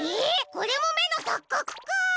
これもめのさっかくか！